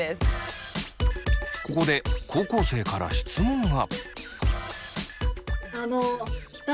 ここで高校生から質問が。